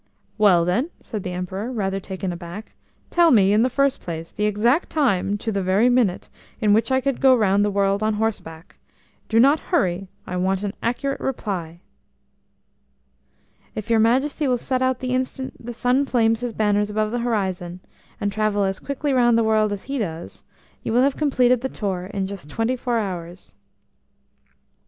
"Well, then," said the Emperor, rather taken aback, "tell me, in the first place, the exact time, to the very minute, in which I could go round the world on horseback. Do not hurry–I want an accurate reply." "If your Majesty will set out the instant the sun flames his banners above the horizon, and travel as quickly round the world as he does, you will have completed the tour in just twenty four hours."